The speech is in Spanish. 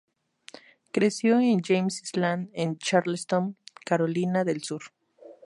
Creció en James Island en Charleston, Carolina del Sur.